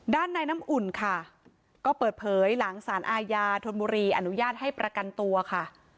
ด้านในน้ำอุ่นค่ะก็เปิดเผยหลังสารอาญาธนบุรีอนุญาตให้ประกันตัวค่ะ